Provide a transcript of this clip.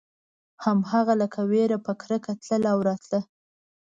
هغه هم لکه وېره په کرکه تله او راتله.